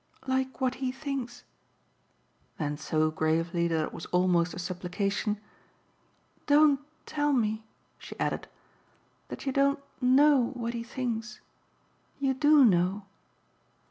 "Like what he thinks." Then so gravely that it was almost a supplication, "Don't tell me," she added, "that you don't KNOW what he thinks. You do know."